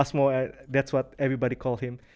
asmo itu yang semua orang panggilnya